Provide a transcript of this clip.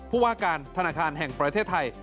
ผู้ว่าการธนาคารแห่งประเทศไทย